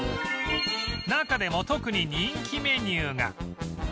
中でも特に人気メニューが